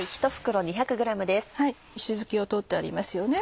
石づきを取ってありますよね。